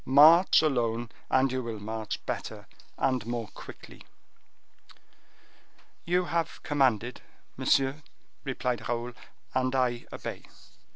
March alone, and you will march better, and more quickly." "You have commanded, monsieur," replied Raoul, "and I obey."